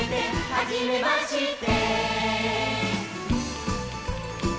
「はじめまして」